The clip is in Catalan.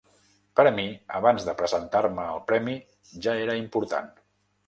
Per a mi, abans de presentar-me al premi ja era important.